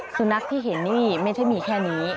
สุนัขที่เห็นนี่ไม่ใช่มีแค่นี้